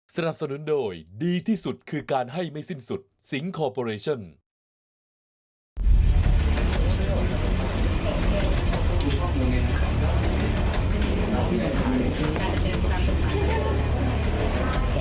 สนับสนุนโดยดีที่สุดคือการให้ไม่สิ้นสุดสิงคอร์ปอเรชั่น